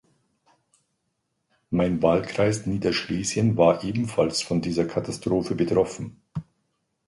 Mein Wahlkreis Niederschlesien war ebenfalls von dieser Katastrophe betroffen.